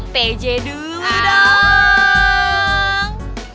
pj dulu dong